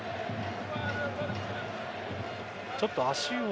ちょっと足を。